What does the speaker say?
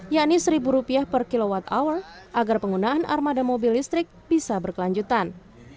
yakni rp satu per kilowatt hour agar penggunaan armada mobil listrik bisa berkelanjutan